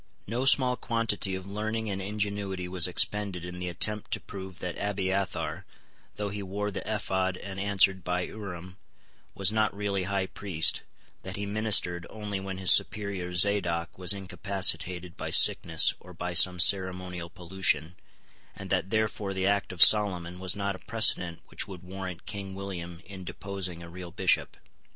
No small quantity of learning and ingenuity was expended in the attempt to prove that Abiathar, though he wore the ephod and answered by Urim, was not really High Priest, that he ministered only when his superior Zadoc was incapacitated by sickness or by some ceremonial pollution, and that therefore the act of Solomon was not a precedent which would warrant King William in deposing a real Bishop.